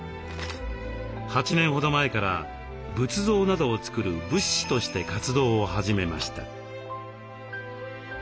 ８年ほど前から仏像などを作る仏師として活動を始めました。